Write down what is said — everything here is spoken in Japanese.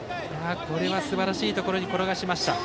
これはすばらしいところに転がしました。